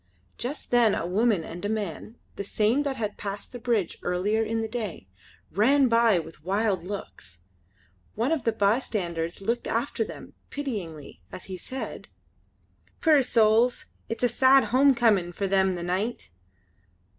Just then a woman and a man, the same that had passed the bridge earlier in the day, ran by with wild looks. One of the bystanders looked after them pityingly as he said: "Puir souls. It's a sad home comin' for them the nicht."